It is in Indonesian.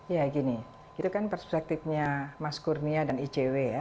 ya gini itu kan perspektifnya mas kurnia dan icw ya